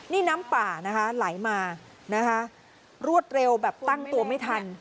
นี่น้ำป่านะคะไหลมานะคะรวดเร็วแบบตั้งตัวไม่ทัน